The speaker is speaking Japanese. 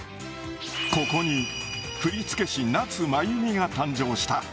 ここに振付師、夏まゆみが誕生した。